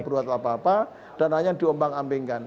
berbuat apa apa dan hanya diombang ambingkan